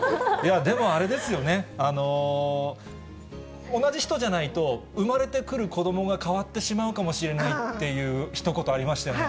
でもあれですよね、同じ人じゃないと、生まれてくる子どもが変わってしまうかもしれないっていうひと言ありましたよね。